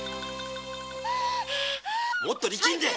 もっと力んで！